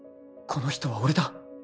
この人は俺だ